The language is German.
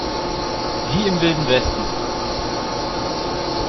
Wie im Wilden Westen!